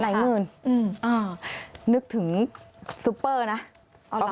ไหนหมื่นนึกถึงซุปเปอร์นะ